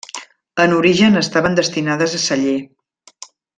En origen estaven destinades a celler.